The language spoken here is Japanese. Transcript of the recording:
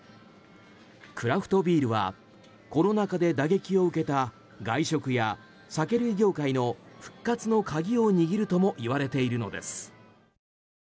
クラフトビールはコロナ禍で打撃を受けた外食や酒類業界の復活の鍵を握るともいわれているのです。